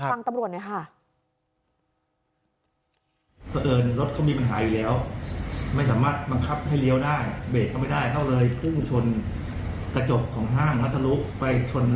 ฟังตำรวจหน่อยค่ะ